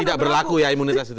tidak berlaku ya imunitas itu